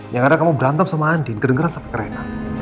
yang ada kamu berantem sama andi kedengeran keren